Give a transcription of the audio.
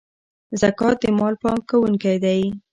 زکات د مال پاکونکی دی.